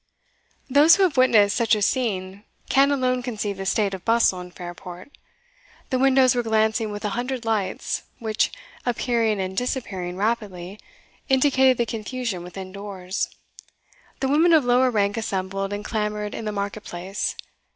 Those who have witnessed such a scene can alone conceive the state of bustle in Fairport. The windows were glancing with a hundred lights, which, appearing and disappearing rapidly, indicated the confusion within doors. The women of lower rank assembled and clamoured in the market place.